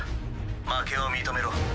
負けを認めろ。